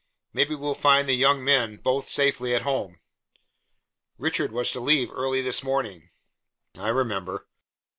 "Maybe we'll find the young men both safely at home." "Richard was to leave early this morning." "I remember."